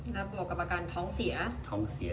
และบวกกับอาการท้องเสีย